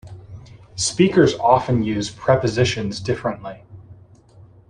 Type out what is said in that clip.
Speakers often use prepositions differently.